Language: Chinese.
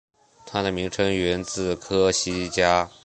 它的名称源自科西嘉。